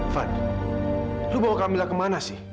van lu bawa camilla kemana sih